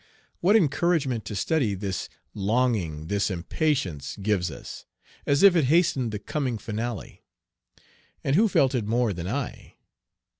What encouragement to study this longing, this impatience gives us, as if it hastened the coming finale! And who felt it more than I?